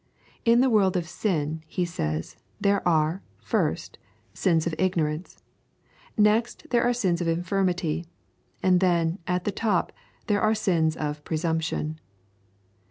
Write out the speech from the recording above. In the world of sin, he says, there are, first, sins of ignorance; next, there are sins of infirmity; and then, at the top, there are sins of presumption.